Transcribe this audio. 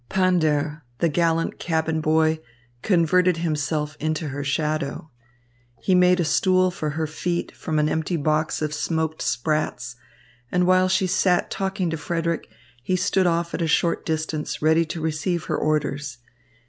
Pander, the gallant cabin boy, converted himself into her shadow. He made a stool for her feet from an empty box of smoked sprats, and while she sat talking to Frederick, he stood off at a short distance ready to receive her orders.